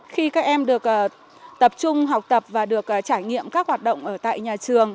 khi các em được tập trung học tập và được trải nghiệm các hoạt động ở tại nhà trường